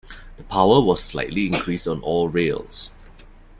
The power was slightly increased on all rails.